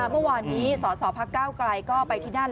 เมื่อวานนี้สรภักดิ์เกล้ากลายก็ไปที่นั่น